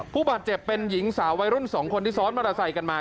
ผู้บาดเจ็บเป็นหญิงสาววัยรุ่น๒คนที่ซ้อนมอเตอร์ไซค์กันมา